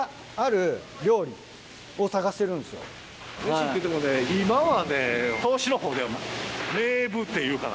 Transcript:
昔って言ってもね今はね。